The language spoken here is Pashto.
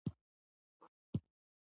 مېلې د ټولني د اړیکو د پراختیا وسیله ده.